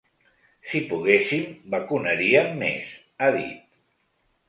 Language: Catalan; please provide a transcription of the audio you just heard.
Si poguéssim, vacunaríem més, ha dit.